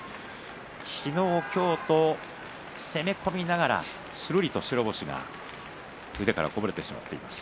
昨日、今日と攻め込みながらするりと白星がこぼれていっています。